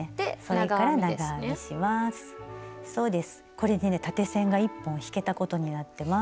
これでね縦線が１本引けたことになってます。